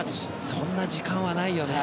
そんな時間はないよね